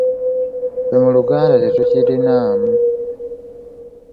Ffe mu Luganda tetukirinaamu.